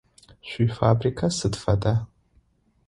Шъуифабрикэ сыд фэда?